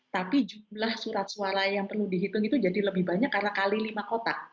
tapi jumlah surat suara yang perlu dihitung itu jadi lebih banyak karena kali lima kotak